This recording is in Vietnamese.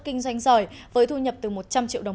kinh doanh giỏi với thu nhập từ một trăm linh triệu đồng